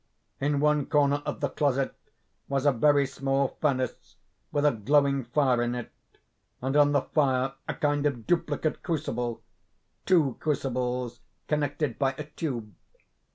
In one corner of the closet was a very small furnace, with a glowing fire in it, and on the fire a kind of duplicate crucible—two crucibles connected by a tube.